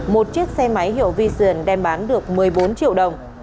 một chiếc xe máy hiệu vision đem bán được một mươi bốn triệu đồng